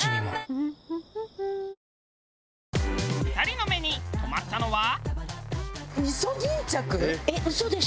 ２人の目に留まったのは。